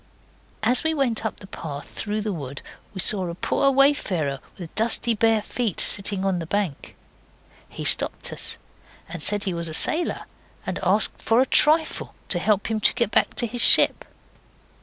As we went up the path through the wood we saw a poor wayfarer with dusty bare feet sitting on the bank. He stopped us and said he was a sailor, and asked for a trifle to help him to get back to his ship.